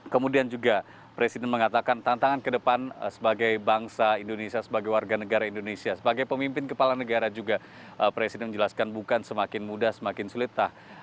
kemudian juga presiden mengatakan tantangan ke depan sebagai bangsa indonesia sebagai warga negara indonesia sebagai pemimpin kepala negara juga presiden menjelaskan bukan semakin mudah semakin sulit